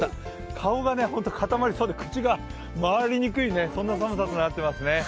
顔が固まりそうで、口が回りにくいそんな寒さとなっていますね。